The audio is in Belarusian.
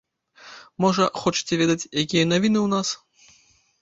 Можа, хочаце ведаць, якія навіны ў нас?